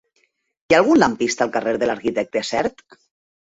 Hi ha algun lampista al carrer de l'Arquitecte Sert?